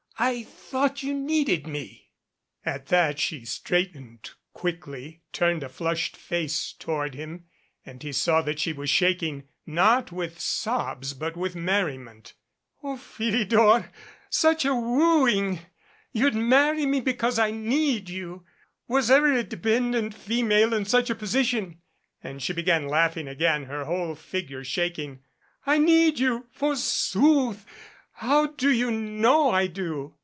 I thought you needed me " At that she straightened quickly, turned a flushed face toward him and he saw that she was shaking, not with sobs, but with merriment. "O Philidor such a wooing! You'd marry me be cause I need you. Was ever a dependent female in such a position!" And she began laughing again, her whole figure shaking. "I need you forsooth! How do you know I do?